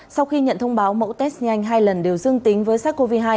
sau khi nhận thông báo mẫu test nhanh hai lần đều dương tính với sars cov hai